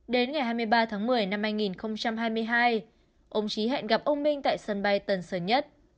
đến ngày hai mươi ba tháng một mươi năm hai nghìn hai mươi hai ông trí hẹn gặp ông minh tại sân bay tân sơn nhất